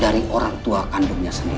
dari orang tua kandungnya sendiri